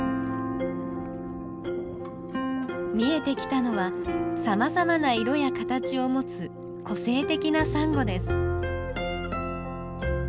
見えてきたのはさまざまな色や形を持つ個性的なサンゴです。